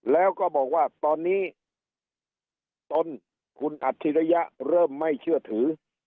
แล้วก็บอกว่าตอนนี้ตนคุณอัจฉริยะเริ่มไม่เชื่อถือ